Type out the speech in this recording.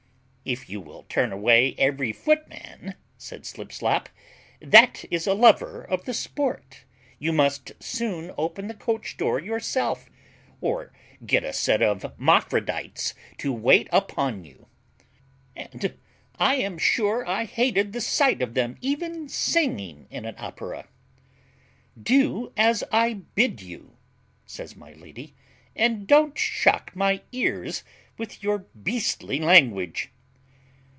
"If you will turn away every footman," said Slipslop, "that is a lover of the sport, you must soon open the coach door yourself, or get a set of mophrodites to wait upon you; and I am sure I hated the sight of them even singing in an opera." "Do as I bid you," says my lady, "and don't shock my ears with your beastly language."